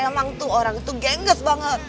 emang tuh orang tuh gengges banget